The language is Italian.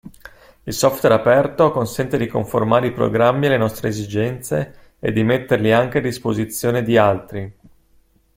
Il software aperto consente di conformare i programmi alle nostre esigenze e di metterli anche a disposizione di altri.